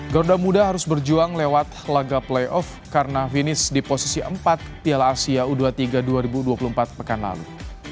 garuda muda harus berjuang lewat laga playoff karena finish di posisi empat piala asia u dua puluh tiga dua ribu dua puluh empat pekan lalu